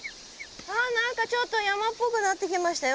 あ何かちょっと山っぽくなってきましたよ。